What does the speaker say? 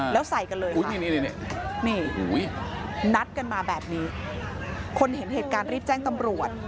แล้วใส่กันเลยนี่นัดกันมาแบบนี้คนเห็นเหตุการณ์รีบแจ้งตำรวจ